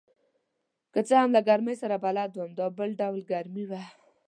که څه هم له ګرمۍ سره بلد یم، دا بل ډول ګرمي وه.